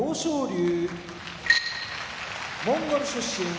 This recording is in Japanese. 龍モンゴル出身